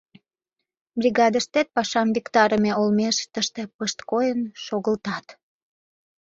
Бригадыштет пашам виктарыме олмеш тыште пышткойын шогылтат.